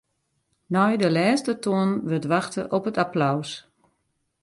Nei de lêste toanen wurdt wachte op it applaus.